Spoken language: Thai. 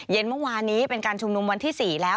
เมื่อวานนี้เป็นการชุมนุมวันที่๔แล้ว